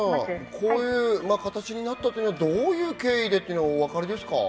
こういう形になったというのは、どういう経緯でっていうのはお分かりですか？